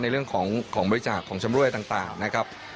ในเรื่องของบริจาคของชำรวยต่างนะครับ